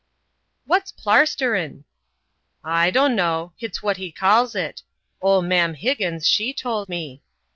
"What's plasterin'?" "I dono. Hit's what he calls it. Ole Mam Higgins, she tole me.